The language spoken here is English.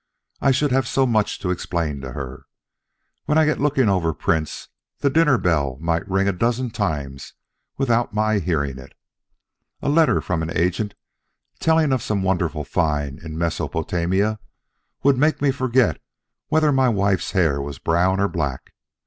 I should have so much to explain to her. When I get looking over prints, the dinner bell might ring a dozen times without my hearing it. A letter from an agent telling of some wonderful find in Mesopotamia would make me forget whether my wife's hair were brown or black.